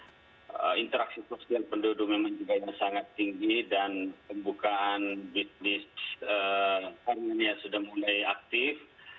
kemudian dari sisi interaksi sosial penduduk memang juga sangat tinggi dan pembukaan bisnis karyanya sudah mulai aktif